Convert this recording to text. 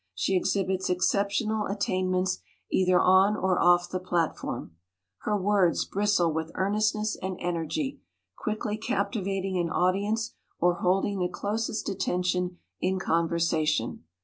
She exhibits exceptional attainments either on or off the platform. Her words bristle with earnestness and energy, quickly captivating an audience or holding the closest attention in conversation.